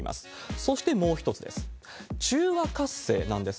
そしてもう一つです。